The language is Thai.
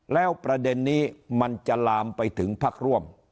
แล้วประเด็นนี้มันจะลามไปถึงพักร่วม